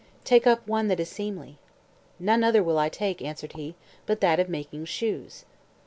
Take up one that is seemly." "None other will I take," answered he, "but that of making shoes."